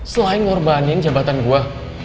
selain ngorbanin jabatan gua